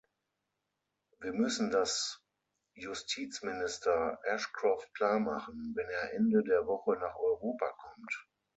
Wir müssen das Justizminister Ashcroft klarmachen, wenn er Ende der Woche nach Europa kommt.